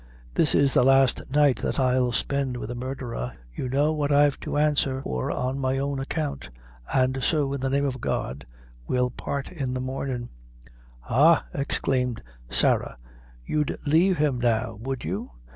This is the last night that I'll spend with a murdherer. You know what I've to answer for on my own account; and so, in the name of God, we'll part in the mornin'." "Ha!" exclaimed Sarah, "you'd leave him now, would you?